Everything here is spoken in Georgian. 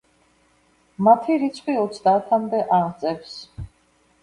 მათი რიცხვი ოცდაათამდე აღწევს.